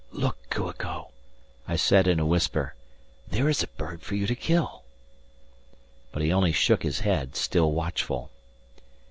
"Look, Kua ko," I said in a whisper, "there is a bird for you to kill." But he only shook his head, still watchful.